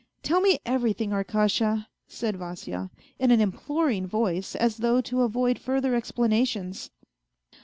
Tell me everything, Arkasha," said Vasya, in an imploring voice, as though to avoid further explanations.